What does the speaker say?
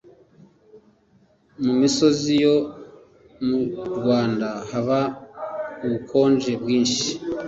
mu misozi yo mjurwanda haba ubukonje bwinshi